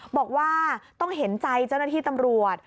บอกว่าต้องเห็นใจเจ้าหน้าที่ตำรวจ